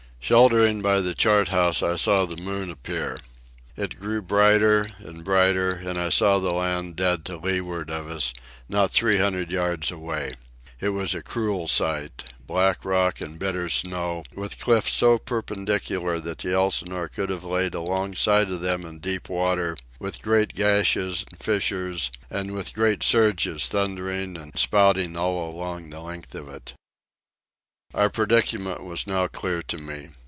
Sheltering by the chart house, I saw the moon appear. It grew brighter and brighter, and I saw the land, dead to leeward of us, not three hundred yards away. It was a cruel sight—black rock and bitter snow, with cliffs so perpendicular that the Elsinore could have laid alongside of them in deep water, with great gashes and fissures, and with great surges thundering and spouting along all the length of it. Our predicament was now clear to me.